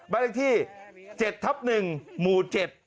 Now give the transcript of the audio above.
บ้านลักษณ์ที่๗ทับ๑หมู่๗